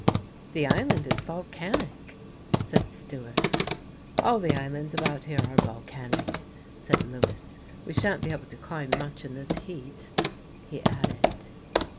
"The island is volcanic," said Stewart. "All the islands about here are volcanic," said Lewis. "We shan't be able to climb much in this heat," he added.